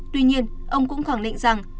tuy nhiên ông cũng khẳng định rằng